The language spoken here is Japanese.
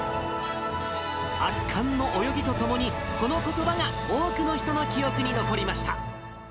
圧巻の泳ぎとともに、このことばが多くの人の記憶に残りました。